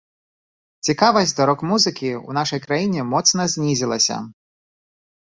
Цікавасць да рок-музыкі ў нашай краіне моцна знізілася.